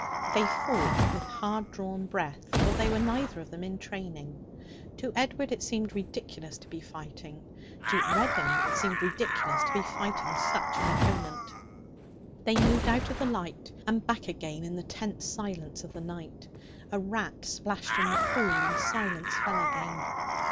They fought with hard drawn breath, for they were neither of them in training. To Edward it seemed ridiculous to be fighting; to Reddin it seemed ridiculous to be fighting such an opponent. They moved out of the light and back again in the tense silence of the night. A rat splashed in the pool, and silence fell again.